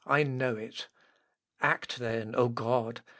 I know it! Act, then, O God!...